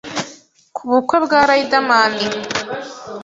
ku bukwe bwa Riderman